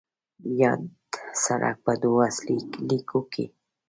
یاد سړک په دوو اصلي لیکو کې